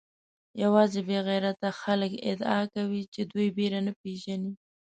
یوازې بې غیرته خلک ادعا کوي چې دوی بېره نه پېژني.